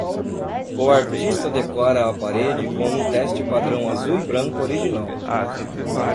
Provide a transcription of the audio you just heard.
O artista decora a parede com um teste padrão azul e branco original.